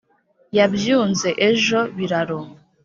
yabyunze ejo biraro